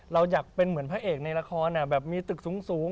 เราอยากเป็นเหมือนพระเอกในละครแบบมีตึกสูง